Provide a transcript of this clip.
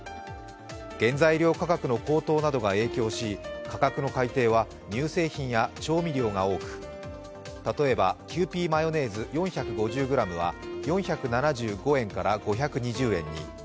原材料価格の高騰などが影響し価格の改定は、乳製品や調味料が多く、例えばキユーピーマヨネーズ４５０ｇは４７５円から５２０円に。